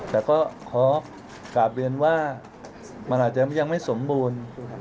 แต่ก็ขอกลับเรียนว่ามันอาจจะยังไม่สมบูรณ์